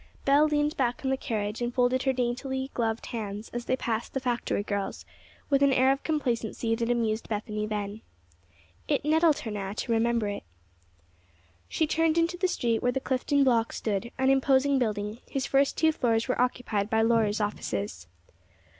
Belle leaned back in the carriage, and folded her daintily gloved hands, as they passed the factory girls, with an air of complacency that amused Bethany then. It nettled her now to remember it. She turned into the street where the Clifton Block stood, an imposing building, whose first two floors were occupied by lawyers' offices.